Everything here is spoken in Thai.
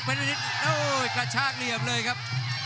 เพชรวินิตกระชากเหลี่ยบเลยครับ